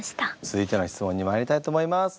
続いての質問にまいりたいと思います。